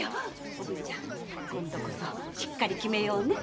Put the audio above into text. おぶんちゃん今度こそしっかり決めようね。